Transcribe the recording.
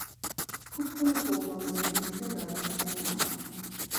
Cwpl o bobl yn eistedd ar risiau mawr.